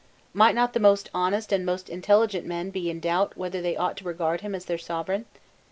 Might not the most honest and the most intelligent men be in doubt whether they ought to regard him as their Sovereign?